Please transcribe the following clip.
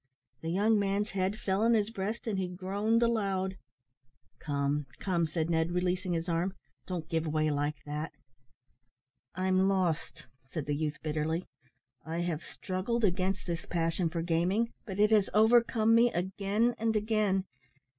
The young man's head fell on his breast, and he groaned aloud. "Come, come," said Ned, releasing his arm, "don't give way like that." "I'm lost," said the youth, bitterly. "I have struggled against this passion for gaming, but it has overcome me again and again.